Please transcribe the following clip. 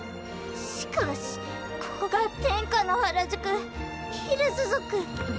しかしここが天下の原宿ヒルズ族。